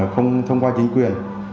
không thông qua chính quyền